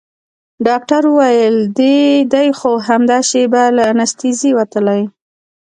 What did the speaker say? ډاکتر وويل دى خو همدا شېبه له انستيزي وتلى.